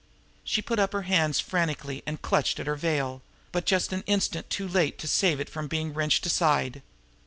She put up her hands frantically and clutched at her veil but just an instant too late to save it from being wrenched aside.